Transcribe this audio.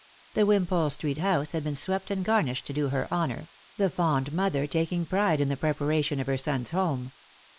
The Wimpole street house had been swept and garnished to do her honour, the fond mother taking pride in the preparation of her son's home.